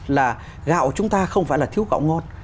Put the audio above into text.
là gạo chúng ta không phải là thiếu gạo ngon